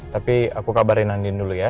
tapi aku kabarin andin dulu ya